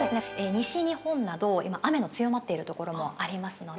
西日本など、今、雨の強まっているところもありますので。